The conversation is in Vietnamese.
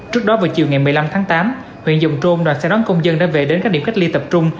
trước đó vào chiều ngày một mươi năm tháng tám huyện dòng trôm đoàn xe đón công dân đã về đến các điểm cách ly tập trung